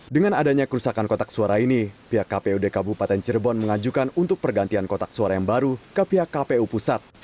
dengan adanya kerusakan kotak suara ini pihak kpud kabupaten cirebon mengajukan untuk pergantian kotak suara yang baru ke pihak kpu pusat